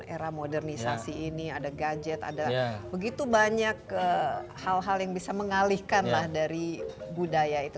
era modernisasi ini ada gadget ada begitu banyak hal hal yang bisa mengalihkan lah dari budaya itu